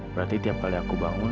berarti tiap kali aku bangun